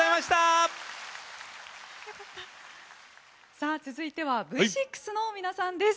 さあ続いてはＶ６の皆さんです。